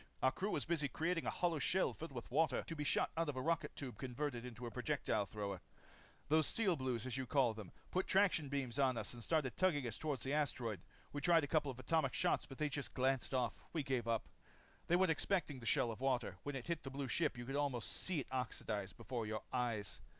Our crew was busy creating a hollow shell filled with water to be shot out of a rocket tube converted into a projectile thrower. "These Steel Blues, as you call them, put traction beams on us and started tugging us toward the asteroid. We tried a couple of atomic shots but when they just glanced off, we gave up. "They weren't expecting the shell of water. When it hit that blue ship, you could almost see it oxidize before your eyes.